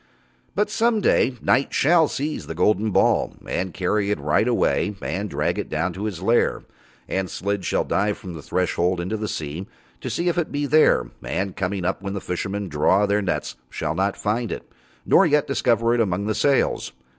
But some day Night shall seize the golden ball and carry it right away and drag it down to his lair, and Slid shall dive from the Threshold into the sea to see if it be there, and coming up when the fishermen draw their nets shall find it not, nor yet discover it among the sails.